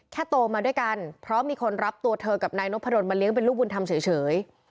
โตมาด้วยกันเพราะมีคนรับตัวเธอกับนายนพดลมาเลี้ยเป็นลูกบุญธรรมเฉย